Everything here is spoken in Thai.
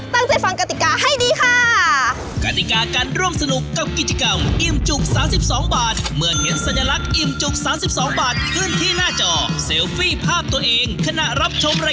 ตั้งใจฟังกติกาให้ดีค่ะ